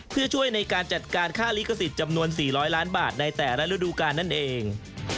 เพื่อช่วยในการจัดการค่าลิขสิทธิ์จำนวน๔๐๐ล้านบาทในแต่ละฤดูกาลนั่นเอง